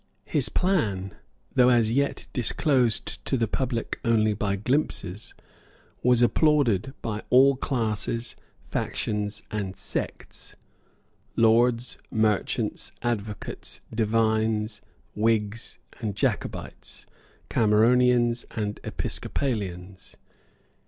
His plan, though as yet disclosed to the public only by glimpses, was applauded by all classes, factions and sects, lords, merchants, advocates, divines, Whigs and Jacobites, Cameronians and Episcopalians.